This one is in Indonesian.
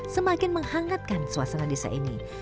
semakin menghangatkan suasana desa ini